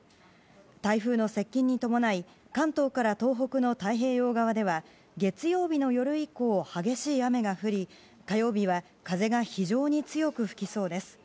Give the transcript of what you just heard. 台風の接近に伴い関東から東北の太平洋側では月曜日の夜以降、激しい雨が降り火曜日は風が非常に強く吹きそうです。